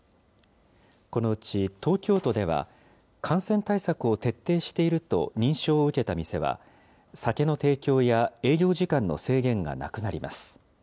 このうち東京都では、感染対策を徹底していると認証を受けた店は、酒の提供や営業時間の制限がなくなります。